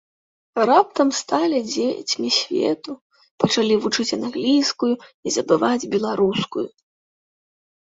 Раптам сталі дзецьмі свету, пачалі вучыць англійскую і забываць беларускую.